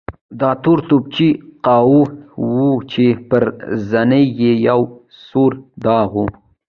دا تورن د توپچي قواوو و چې پر زنې یې یو سور داغ و.